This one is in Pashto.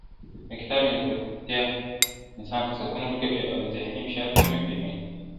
د کتاب ملګرتيا انسان ته سکون ورکوي او ذهني فشار کموي په ژوند کي ..